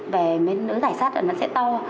về mới nới thải sát là nó sẽ to